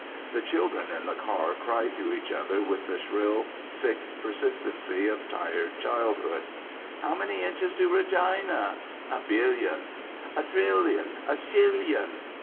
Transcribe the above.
The children in the car cried to each other with the shrill, sick persistency of tired childhood, "How many inches to Regina?" "A Billion." "A Trillion." "A Shillion."